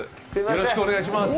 よろしくお願いします。